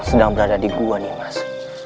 sedang berada di gua nih mas